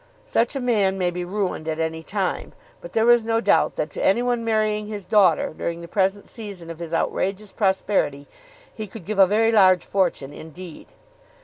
Such a man may be ruined at any time; but there was no doubt that to any one marrying his daughter during the present season of his outrageous prosperity he could give a very large fortune indeed.